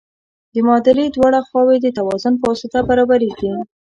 د معادلې دواړه خواوې د توازن په واسطه برابریږي.